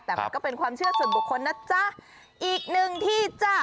แต่มันก็เป็นความเชื่อส่วนบุคคลนะจ๊ะอีกหนึ่งที่จ้ะ